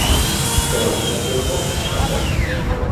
Pero, al mismo tiempo, es fantástica.